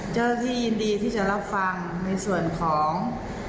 เจ้าหน้าที่ยินดีที่จะรับฟังในส่วนของ